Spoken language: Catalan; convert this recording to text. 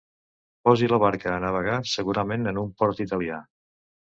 Posi la barca a navegar segurament en un port italià.